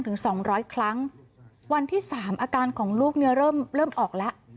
ถึงสองร้อยครั้งวันที่สามอาการของลูกเนี่ยเริ่มเริ่มออกแล้ว